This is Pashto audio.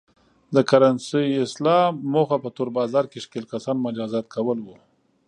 د کرنسۍ اصلاح موخه په تور بازار کې ښکېل کسان مجازات کول و.